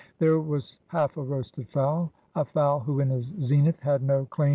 There was half a roasted fowl — a fowl who in his zenith had no claim 12 Asphodel.